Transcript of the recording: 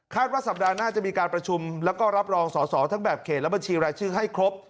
ว่าสัปดาห์หน้าจะมีการประชุมแล้วก็รับรองสอสอทั้งแบบเขตและบัญชีรายชื่อให้ครบ